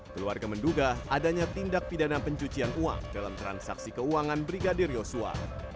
keluarga menduga adanya tindak pidana pencucian uang dalam transaksi keuangan brigadir yosua